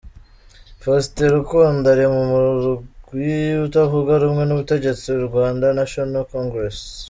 Faustin Rukundo ari mu murwi utavuga rumwe n'ubutegetsi "Rwandan National Congress.